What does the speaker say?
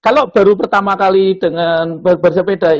kalau baru pertama kali dengan bersepeda